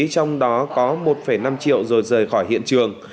trong đó có một năm triệu rồi rời khỏi hiện trường